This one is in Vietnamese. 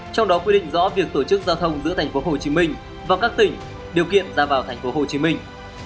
trong đó quy định rõ việc tổ chức giao thông giữa thành phố hồ chí minh và các tỉnh điều kiện ra vào thành phố hồ chí minh